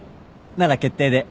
なら決定で。